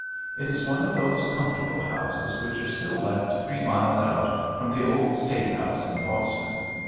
It is one of those comfortable houses which are still left three miles out from the old State House in Boston.